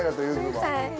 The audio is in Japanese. はい。